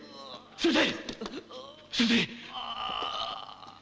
先生！